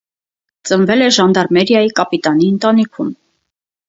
Ծնվել է ժանդարմերիայի կապիտանի ընտանիքում։